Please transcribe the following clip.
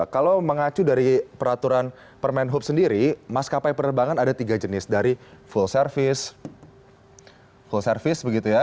kalau mengacu dari peraturan permen hub sendiri maskapai penerbangan ada tiga jenis dari full service full service begitu ya